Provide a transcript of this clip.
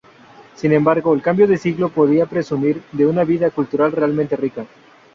Sin embargo el cambio de siglo podía presumir de una vida cultural realmente rica.